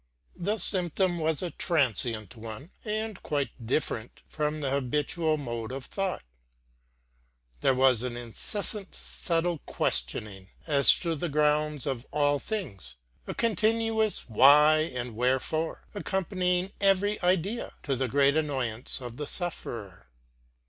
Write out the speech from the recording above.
The symptom was a transient one, arid quite different from the habitual mode of thought. There was an incessant subtle questioning as to the grounds of all things, a. continuous " why and wherefore " accompanying every idea, to the great annoyance of the sufferer.